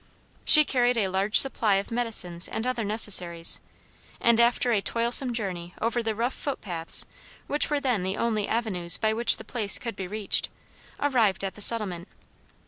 She carried a large supply of medicines and other necessaries, and after a toilsome journey over the rough foot paths which were then the only avenues by which the place could be reached, arrived at the settlement.